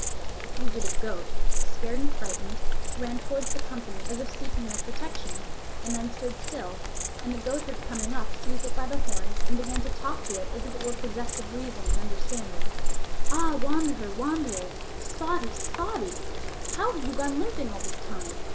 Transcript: The fugitive goat, scared and frightened, ran towards the company as if seeking their protection and then stood still, and the goatherd coming up seized it by the horns and began to talk to it as if it were possessed of reason and understanding: "Ah wanderer, wanderer, Spotty, Spotty; how have you gone limping all this time?